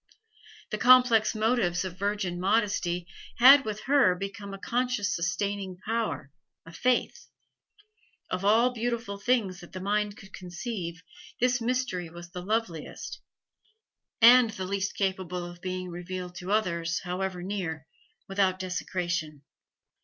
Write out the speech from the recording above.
The complex motives of virgin modesty had with her become a conscious sustaining power, a faith; of all beautiful things that the mind could conceive, this mystery was the loveliest, and the least capable of being revealed to others, however near, without desecration.